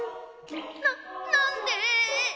ななんで？